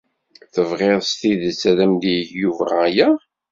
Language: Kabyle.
Tebɣid s tidet ad am-yeg Yuba aya?